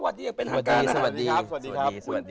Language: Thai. สวัสดีครับเป็นหากานะครับสวัสดีครับครับสวัสดีสวัสดี